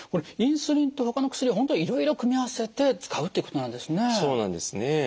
インスリンと他の薬を本当いろいろ組み合わせて使うってことなんですね。